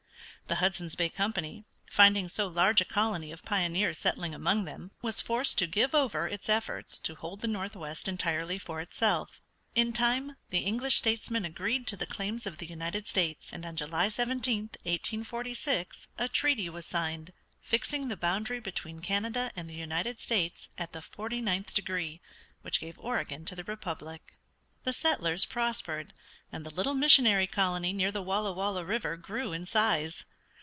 The Hudson's Bay Company, finding so large a colony of pioneers settling among them, was forced to give over its efforts to hold the northwest entirely for itself. In time the English statesmen agreed to the claims of the United States, and on July 17, 1846, a treaty was signed, fixing the boundary between Canada and the United States at the forty ninth degree, which gave Oregon to the Republic. The settlers prospered, and the little missionary colony near the Walla Walla River grew in size.